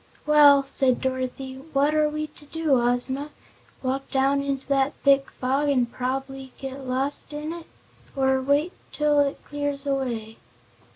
"Well," said Dorothy, "what are we to do, Ozma? Walk down into that thick fog, an' prob'bly get lost in it, or wait till it clears away?"